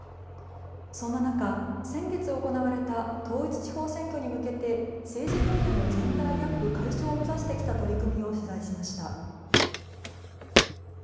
そんな中、先月行われた統一地方選挙に向けて政治分野のジェンダーギャップ解消を目指してきた取り組みを取材しました。